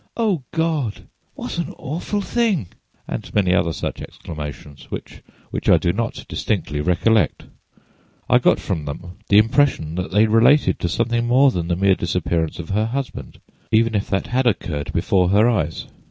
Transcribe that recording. O God! what an awful thing!' and many other such exclamations, which I do not distinctly recollect. I got from them the impression that they related to something more—than the mere disappearance of her husband, even if that had occurred before her eyes.